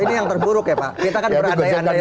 ini yang terburuk ya pak kita kan berandai andai